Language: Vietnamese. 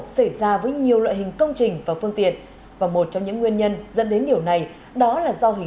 xin chào và hẹn gặp lại